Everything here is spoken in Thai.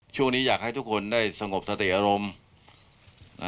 อยากให้ทุกคนได้สงบสติอารมณ์